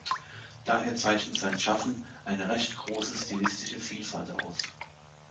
Daher zeichnet sein Schaffen eine recht große stilistische Vielfalt aus.